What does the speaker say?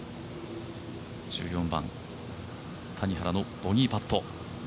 １４番、谷原のボギーパット